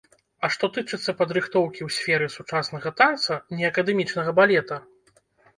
А што тычыцца падрыхтоўкі ў сферы сучаснага танца, не акадэмічнага балета?